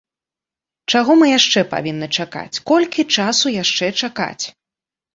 Чаго мы яшчэ павінны чакаць, колькі часу яшчэ чакаць?